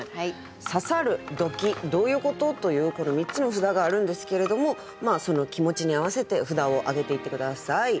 「刺さる」「ドキッ」「どういうこと？」というこの３つの札があるんですけれどもその気持ちに合わせて札を挙げていって下さい。